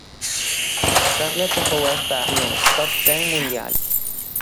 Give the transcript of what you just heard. Carla chegou a estar no 'top ten' mundial.